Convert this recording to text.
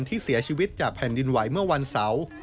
ที่เสียชีวิตจากแผ่นดินไหวเมื่อวันเสาร์